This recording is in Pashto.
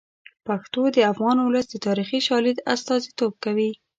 پښتو د افغان ولس د تاریخي شالید استازیتوب کوي.